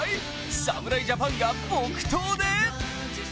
侍ジャパンが木刀で！？